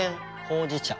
ほうじ茶。